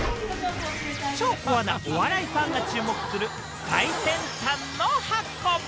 超コアなお笑いファンが注目する、最先端のハコ。